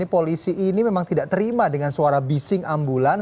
polisi ini memang tidak terima dengan suara bising ambulans